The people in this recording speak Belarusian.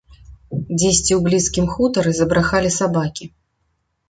Дзесьці ў блізкім хутары забрахалі сабакі.